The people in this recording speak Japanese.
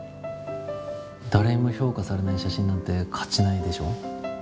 誰にも評価されない写真なんて価値ないでしょ？